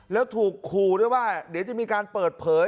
แล้วถูกขู่ด้วยว่าเดี๋ยวจะมีการเปิดเผย